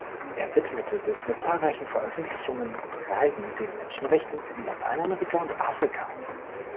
Er widmete sich mit zahlreichen Veröffentlichungen und Reisen den Menschenrechten in Lateinamerika und Afrika.